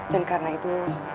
dan karena itu